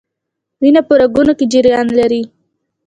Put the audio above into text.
وینه په رګونو کې جریان لري